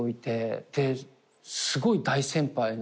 すごい大先輩の人。